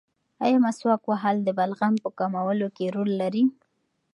ایا مسواک وهل د بلغم په کمولو کې رول لري؟